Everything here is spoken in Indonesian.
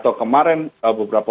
atau kemarin beberapa